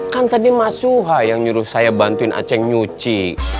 kan tadi mas suha yang nyuruh saya bantuin aceh nyuci